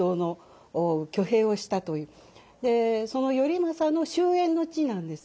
その頼政の終焉の地なんです。